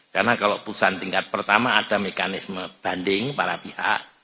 karena kalau putusan tingkat pertama ada mekanisme banding para pihak